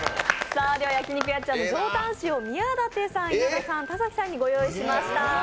焼肉やっちゃんの上タン塩宮舘さん、稲田さん、田崎さんにご用意しました。